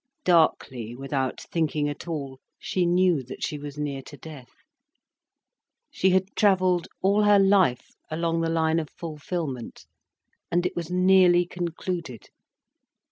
Darkly, without thinking at all, she knew that she was near to death. She had travelled all her life along the line of fulfilment, and it was nearly concluded.